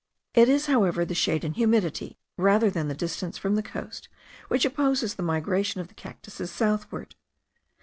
It is, however, the shade and humidity, rather than the distance from the coast, which oppose the migration of the cactuses southward.